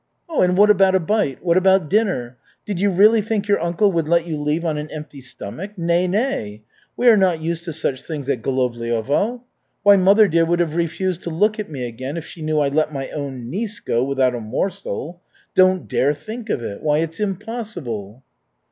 "And what about a bite? What about dinner? Did you really think your uncle would let you leave on an empty stomach? Nay, nay. We are not used to such things at Golovliovo. Why, mother dear would have refused to look at me again if she knew I let my own niece go without a morsel. Don't dare think of it. Why, it's impossible."